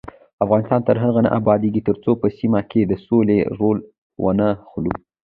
افغانستان تر هغو نه ابادیږي، ترڅو په سیمه کې د سولې رول وانخلو.